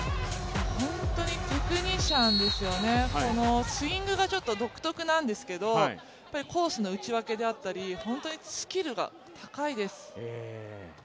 本当にテクニシャンですよね、スイングがちょっと独特なんですけどコースの打ち分けであったり、本当にスキルが高いです。